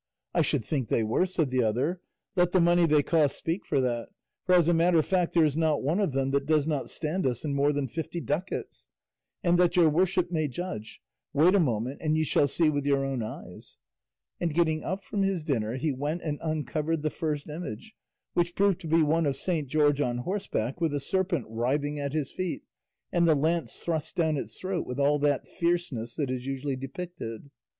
"I should think they were!" said the other; "let the money they cost speak for that; for as a matter of fact there is not one of them that does not stand us in more than fifty ducats; and that your worship may judge; wait a moment, and you shall see with your own eyes;" and getting up from his dinner he went and uncovered the first image, which proved to be one of Saint George on horseback with a serpent writhing at his feet and the lance thrust down its throat with all that fierceness that is usually depicted.